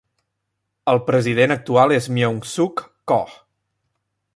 El president actual és Myeung-sook Koh.